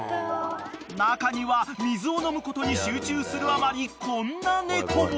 ［中には水を飲むことに集中するあまりこんな猫も］